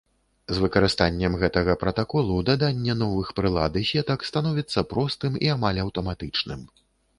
З выкарыстаннем гэтага пратаколу даданне новых прылад і сетак становіцца простым і амаль аўтаматычным.